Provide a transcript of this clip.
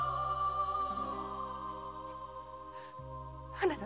あなた！